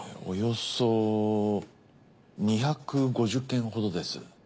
およそ２５０件ほどです。